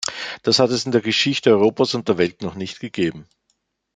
Das hat es in der Geschichte Europas und der Welt noch nicht gegeben!